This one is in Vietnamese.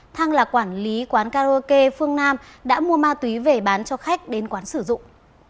thăng là quản lý quán karaoke phương nam đã mua ma túy về bán cho khách đến quán sử dụng